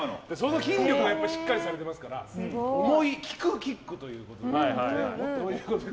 筋力がしっかりされてますから重いキックということで。